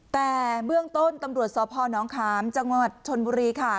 แต่เบื้องต้นตำรวจสพนขามจังหวัดชนบุรีค่ะ